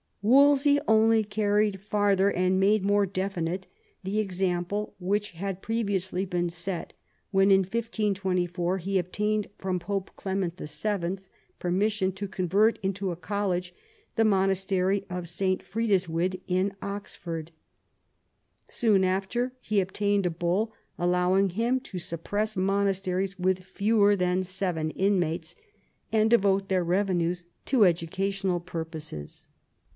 Wolsey only carried farther and made more definite the example which had previously been set when in 1524 he obtained from Pope Clement VII. permission to convert into a college the monastery of St. Frideswyde in Oxford. Soon after he obtained a bull allowing him to suppress monasteries with fewer than seven inmates, and devote their revenues to educational purposes.